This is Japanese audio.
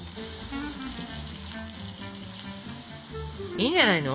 いいんじゃないの？